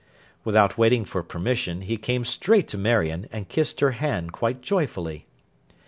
Without waiting for permission, he came straight to Marion, and kissed her hand, quite joyfully.